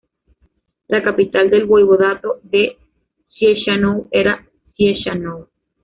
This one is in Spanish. La capital del Voivodato de Ciechanów era Ciechanów.